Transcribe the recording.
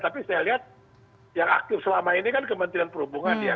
tapi saya lihat yang aktif selama ini kan kementerian perhubungan ya